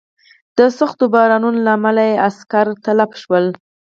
د سختو بارانونو له امله یې عسکر تلف شول.